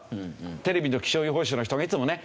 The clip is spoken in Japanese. テレビの気象予報士の人がいつもね